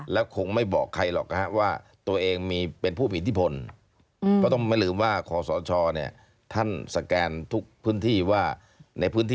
และคงไม่บอกใครหรอกนะ